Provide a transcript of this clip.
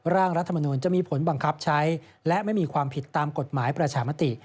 ร่างรัฐมนุนจะมีผลบังคับใช้และไม่มีความผิดตามกฎหมายประชามติ